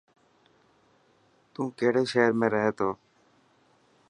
تو ڪهڙي شهر ۾ رهي ٿو